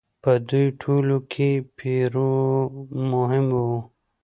په دوی ټولو کې پیرو مهم و.